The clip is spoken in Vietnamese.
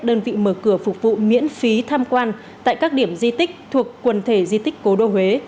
đơn vị mở cửa phục vụ miễn phí tham quan tại các điểm di tích thuộc quần thể di tích cố đô huế